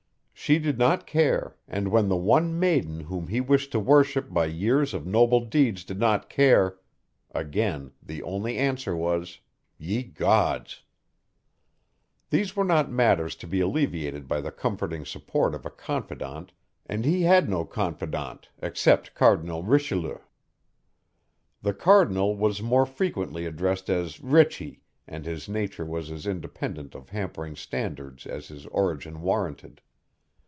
She did not care and when the one maiden whom he wished to worship by years of noble deeds did not care again the only answer was "Ye Gods!" These were not matters to be alleviated by the comforting support of a confidant and he had no confidant except Cardinal Richelieu. The cardinal was more frequently addressed as Ritchy and his nature was as independent of hampering standards as his origin warranted.